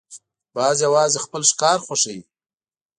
باز یوازې خپل ښکار خوښوي